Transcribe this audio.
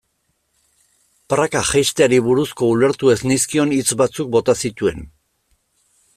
Praka jaisteari buruzko ulertu ez nizkion hitz batzuk bota zituen.